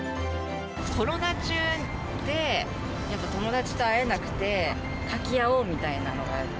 コロナ中でやっぱ友達と会えなくて、書き合おうみたいなのが。